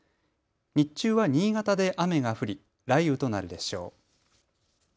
日中は新潟で雨が降り雷雨となるでしょう。